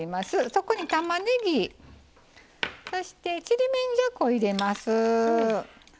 そこにたまねぎそしてちりめんじゃこ入れます。